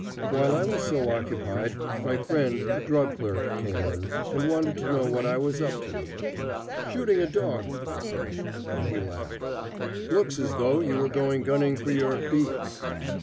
While I was so occupied, my friend the drug clerk came in, and wanted to know what I was up to. Shooting a dog, I said, and he laughed: "Looks as though you were going gunning for your beats."